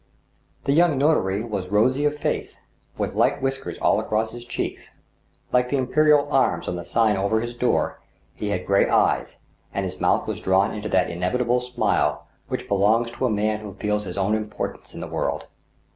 The young notary was rosy of face, with light whiskers all across his cheeks, like the imperial arms on the sign over his door ; he had gray eyes, and his mouth was drawn into that inevitable smile which belongs to a roan who feels his own importance in the worid.